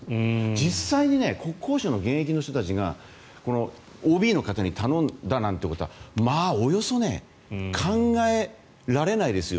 実際に国交省の現役の人たちがＯＢの方に頼んだなんてことはまあ、およそ考えられないですよ